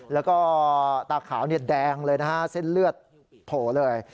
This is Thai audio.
แล้วก็ตาขาวแดงเลยนะฮะเส้นเลือดโผล่เลย